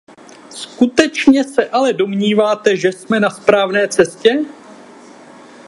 Skutečně se ale domníváte, že jsme na správné cestě?